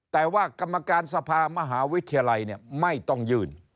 แต่ว่ากรรมการสภามหาวิทยาลัยไม่ต้องยื่น